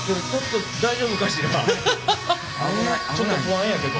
ちょっと不安やけど。